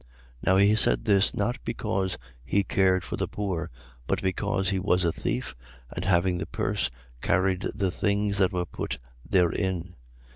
12:6. Now he said this not because he cared for the poor; but because he was a thief and, having the purse, carried the things that were put therein.